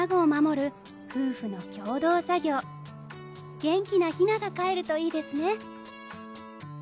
元気なヒナがかえるといいですね。